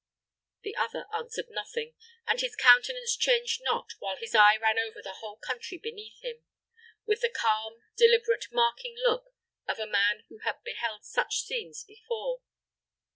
The other answered nothing, and his countenance changed not while his eye ran over the whole country beneath him, with the calm, deliberate, marking look of a man who had beheld such scenes before.